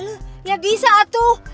ilu ilu ya bisa atuh